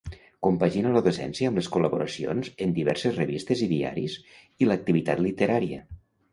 Compagina la docència amb les col·laboracions en diverses revistes i diaris i l'activitat literària.